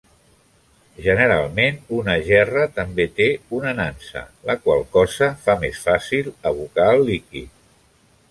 Generalment, una gerra també té una nansa, la qual cosa fa més fàcil abocar el líquid.